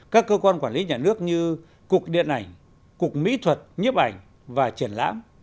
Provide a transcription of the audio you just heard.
các cơ quan quản lý nhà nước như cục điện ảnh cục mỹ thuật nhiếp ảnh và triển lãm